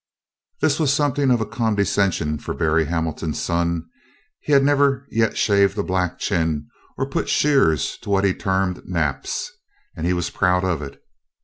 This was something of a condescension for Berry Hamilton's son. He had never yet shaved a black chin or put shears to what he termed "naps," and he was proud of it.